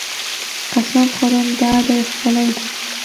قسم خورم دادی خپله وګوره.